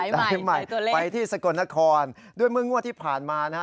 ไปใหม่ไปที่สกลนครด้วยเมื่องวดที่ผ่านมานะฮะ